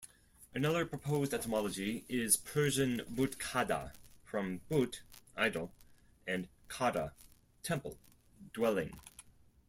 Another proposed etymology is Persian "butkada", from "but", "idol" and "kada", "temple, dwelling.